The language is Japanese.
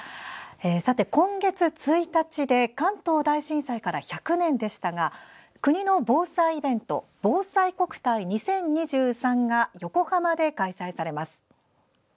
さて、今月１日で関東大震災から１００年でしたが国の防災イベントぼうさいこくたい２０２３が横浜で開催されます。